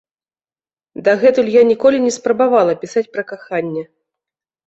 Дагэтуль я ніколі не спрабавала пісаць пра каханне.